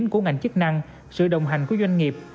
của ngành chức năng sự đồng hành của doanh nghiệp